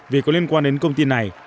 vì có liên quan đến công ty này